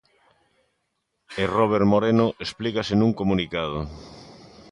E Robert Moreno explicase nun comunicado.